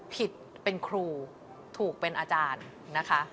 ผิดเป็นครูถูกเป็นอาจารย์นะคะ